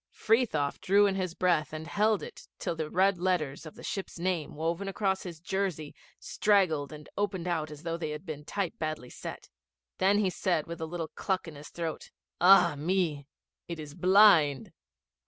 Frithiof drew in his breath and held it till the red letters of the ship's name, woven across his jersey, straggled and opened out as though they had been type badly set. Then he said with a little cluck in his throat, 'Ah me! It is blind.